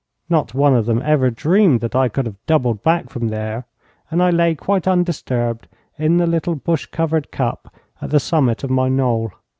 Not one of them ever dreamed that I could have doubled back from there, and I lay quite undisturbed in the little bush covered cup at the summit of my knoll.